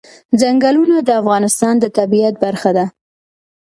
ځنګلونه د افغانستان د طبیعت برخه ده.